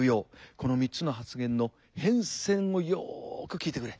この３つの発言の変遷をよく聞いてくれ。